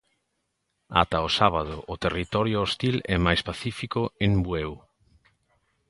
Ata o sábado, o territorio hostil é máis pacífico en Bueu.